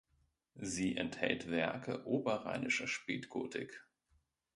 Sie enthält Werke oberrheinischer Spätgotik.